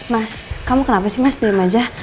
mas kamu kenapa sih mas diam aja